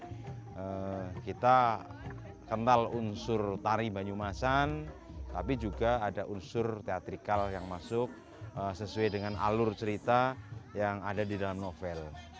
dan kita kenal unsur tari banyumasan tapi juga ada unsur teatrikal yang masuk sesuai dengan alur cerita yang ada di dalam novel